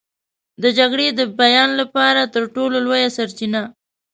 د جګړې د بیان لپاره تر ټولو لویه سرچینه.